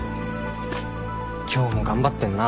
今日も頑張ってんな。